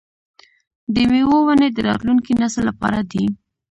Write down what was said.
د میوو ونې د راتلونکي نسل لپاره دي.